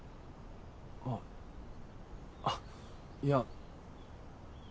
あっあっいや。